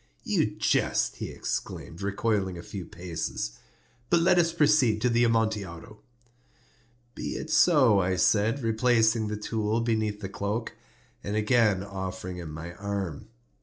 "You jest," he exclaimed, recoiling a few paces. "But let us proceed to the Amontillado." "Be it so," I said, replacing the tool beneath the cloak, and again offering him my arm.